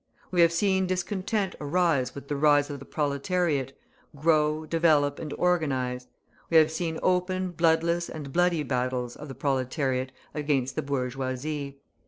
We have seen discontent arise with the rise of the proletariat, grow, develop, and organise; we have seen open bloodless and bloody battles of the proletariat against the bourgeoisie.